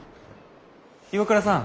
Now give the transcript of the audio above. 岩倉さん。